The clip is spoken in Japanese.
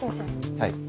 はい。